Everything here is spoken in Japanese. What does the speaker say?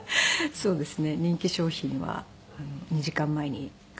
そうですね。